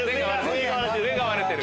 上が割れてる。